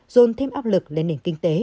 dồn thêm áp lực lên nền kinh tế